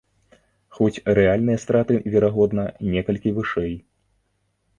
Хоць рэальныя страты, верагодна, некалькі вышэй.